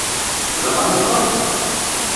Zamanın var mı?